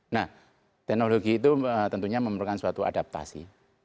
nah teknologi itu tentunya memerlukan suatu adaptasi